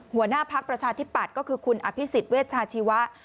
หัวหน้าพักประชาที่ปัดก็คือคุณอภิษฐ์เวชชาชีวะ